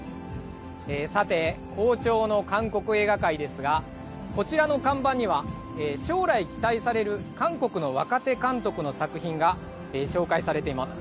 さて、好調の韓国映画界ですがこちらの看板には将来期待される韓国の若手監督の作品が紹介されています。